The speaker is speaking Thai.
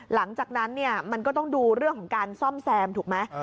หลังจากนั้นมันก็ต้องดูเรื่องของการซ่อมแซมถูกไหม